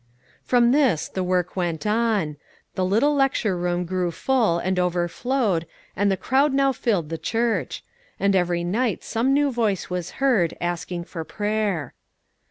From this the work went on. The little lecture room grew full and overflowed, and the crowd now filled the church; and every night Some new voice was heard, asking for prayer.